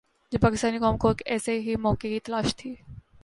جب پاکستانی قوم کو ایک ایسے ہی موقع کی تلاش تھی۔